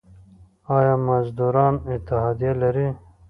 آیا مزدوران اتحادیه لري؟